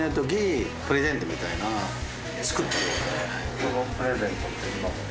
そのプレゼントって今も？